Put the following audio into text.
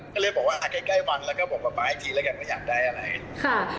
ก็เลยบอกว่าอ่ะใกล้วันแล้วก็บอกกับป๊าอีกทีแล้วกันว่าอยากได้อะไรค่ะ